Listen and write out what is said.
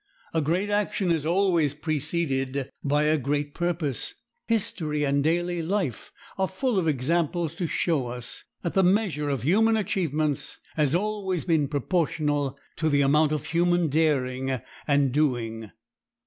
A great action is always preceded by a great purpose. History and daily life are full of examples to show us that the measure of human achievements has always been proportional to the amount of human daring and doing.